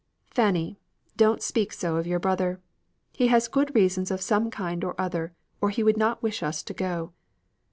"Fanny, don't speak so of your brother. He has good reasons of some kind or other, or he would not wish us to go.